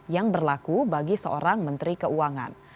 yang berlaku bagi seorang menteri keuangan